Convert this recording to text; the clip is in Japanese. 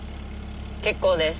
結構です。